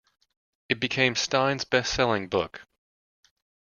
It became Stein's best-selling book.